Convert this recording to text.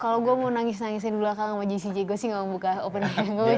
kalo gue mau nangis nangisin dulu lah kangen sama jcj gue sih gak mau buka openingnya